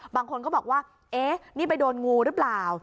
บางคนก็บอกว่าเอ๊ะนี่ไปโดนงูหรือเปล่า